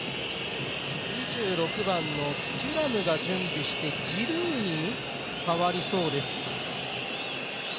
２６番のテュラムが準備してジルーに代わりそうです。